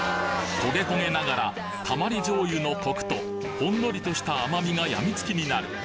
焦げ焦げながらたまり醤油のコクとほんのりとした甘味がやみつきになる